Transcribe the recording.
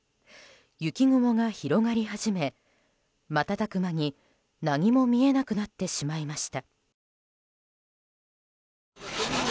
雪雲が広がり始め、瞬く間に何も見えなくなってしまいました。